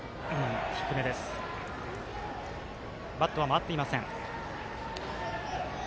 バット、回っていません。